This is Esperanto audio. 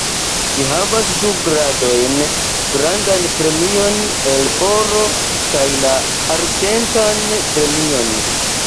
Ĝi havas du gradojn: Grandan premion el oro kaj la arĝentan premion.